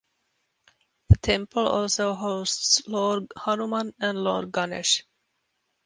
The temple also hosts Lord Hanuman and Lord Ganesh.